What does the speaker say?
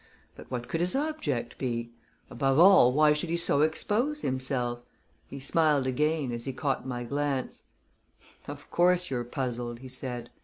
But what could his object be? Above all, why should he so expose himself? He smiled again, as he caught my glance. "Of course you're puzzled," he said.